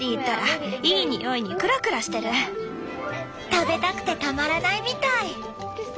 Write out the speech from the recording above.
食べたくてたまらないみたい。